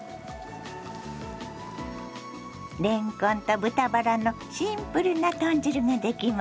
れんこんと豚バラのシンプルな豚汁ができました。